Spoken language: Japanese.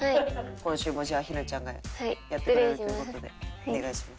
今週もじゃあ陽菜ちゃんがやってくれるという事でお願いします。